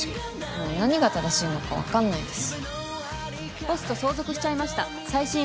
もう何が正しいのかわかんないです。